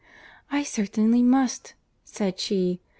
"I certainly must," said she.